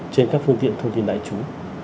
trên các phương tiện thông tin đại trú